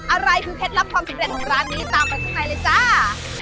อะไรคือเคล็ดลับความสุขเร็จของร้านนี้ตามกันทุกนายเลยจ้า